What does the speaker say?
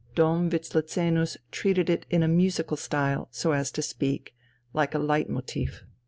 Dom Wislezenus treated it in a musical style, so as to speak, like a leit motif.